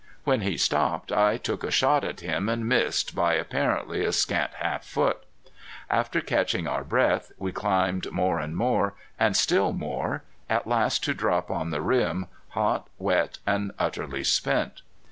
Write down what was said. When he stopped I took a shot at him and missed by apparently a scant half foot. After catching our breath we climbed more and more, and still more, at last to drop on the rim, hot, wet and utterly spent.